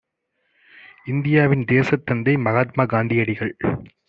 இந்தியாவின் தேசத்தந்தை மகாத்மா காந்தியடிகள்